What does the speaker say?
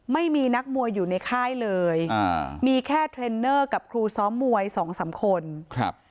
ไม่มีนักมวยอยู่ในค่ายเลยอ่ามีแค่เทรนเนอร์กับครูซ้อมมวยสองสามคนครับ